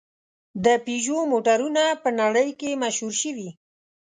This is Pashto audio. د پيژو موټرونه په نړۍ کې مشهور شوي.